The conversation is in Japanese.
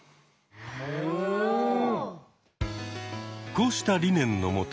こうした理念のもと